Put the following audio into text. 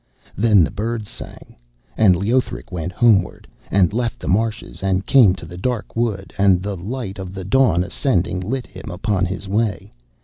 Then the birds sang, and Leothric went homeward, and left the marshes and came to the dark wood, and the light of the dawn ascending lit him upon his way.